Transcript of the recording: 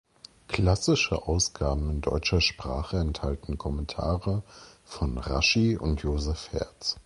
Klassische Ausgaben in deutscher Sprache enthalten Kommentare von Raschi und Joseph Hertz.